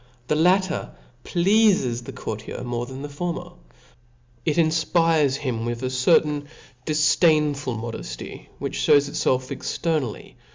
The latter pleafes the coiirtierxnorc th^n the formen It jnfpires him with a certain difdainfui modefty, which fhcws itfelf externally